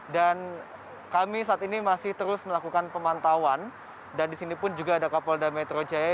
dan kami saat ini masih terus melakukan pemantauan dan disini pun juga ada kapolda metro jaya